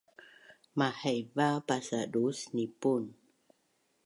Mahaiva pasaduus nipun